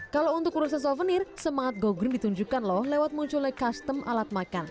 kalau untuk proses souvenir semangat go green ditunjukkan loh lewat munculnya custom alat makan